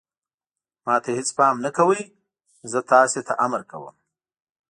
ما ته یې هېڅ پام نه کاوه، زه تاسې ته امر کوم.